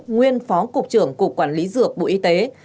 nguyên phó cục trưởng cục quản lý dược bộ y tế